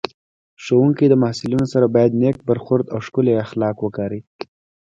ښوونکی د محصلینو سره باید نېک برخورد او ښکلي اخلاق وکاروي